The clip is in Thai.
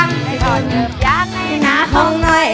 ในก่อนเหนือบยากในหน้าของนาย